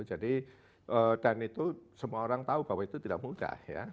jadi dan itu semua orang tahu bahwa itu tidak mudah ya